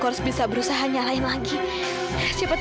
aku harus bisa lepas dari sini sebelum orang itu datang